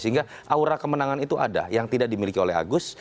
sehingga aura kemenangan itu ada yang tidak dimiliki oleh agus